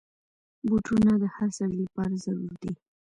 بوټونه د هر سړي لپاره ضرور دي.